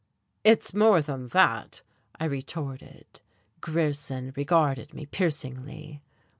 "It's more than that," I retorted. Grierson regarded me piercingly.